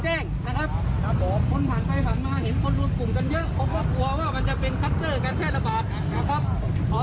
คนผ่านไปผ่านมาเห็นคนรวดกลุ่มกันเยอะผมก็กลัวว่ามันจะเป็นคลัสเตอร์กันแค่ละบาท